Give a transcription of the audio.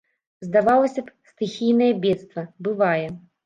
Здавалася б, стыхійнае бедства, бывае.